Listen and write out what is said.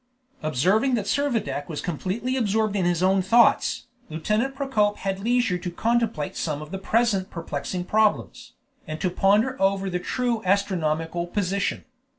Observing that Servadac was completely absorbed in his own thoughts, Lieutenant Procope had leisure to contemplate some of the present perplexing problems, and to ponder over the true astronomical position.